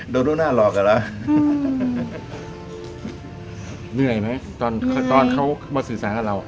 โดดูหน้าหลอกกันแล้วอือเหนื่อยไหมตอนตอนเขามาสื่อสารกับเรา